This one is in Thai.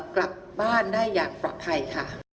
กลับบ้านได้อย่างปลอดภัยค่ะ